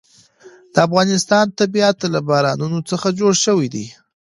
د افغانستان طبیعت له بارانونو څخه جوړ شوی دی.